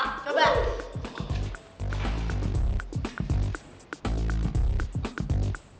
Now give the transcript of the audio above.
ini abelnya jumuh